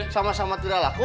sama sama tidak laku